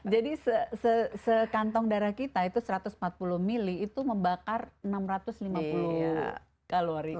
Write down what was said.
sekantong darah kita itu satu ratus empat puluh mili itu membakar enam ratus lima puluh kalori